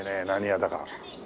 何屋だか。